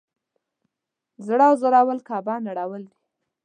زړه ازارول کعبه نړول دی.